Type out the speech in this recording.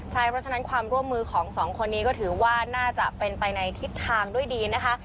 ใช่เพราะฉะนั้นความร่วมมือของสองคนนี้ก็ถือว่าน่าจะเป็นไปในทิศทางด้วยดีนะคะ